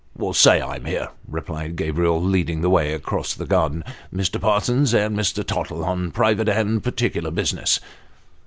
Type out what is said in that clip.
" Say I'm here," replied Gabriel, leading the way across the garden ;" Mr. Parsons and Mr. Tottle, on private and particular business."